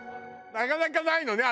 なかなかないのね